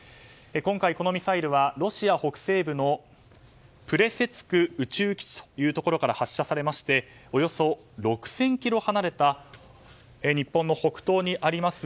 今回、このミサイルはロシア北西部のプレセツク宇宙基地というところから発射されましておよそ６０００ｋｍ離れた日本の北東にあります